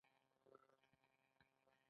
ټکنالوژي څنګه ژوند اسانه کړی؟